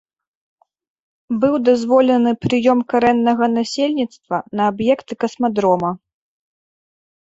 Быў дазволены прыём карэннага насельніцтва на аб'екты касмадрома.